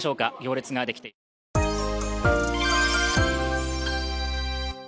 ３０人ほどでしょうか、行列ができています。